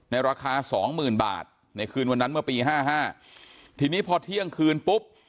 ราคาสองหมื่นบาทในคืนวันนั้นเมื่อปีห้าห้าทีนี้พอเที่ยงคืนปุ๊บ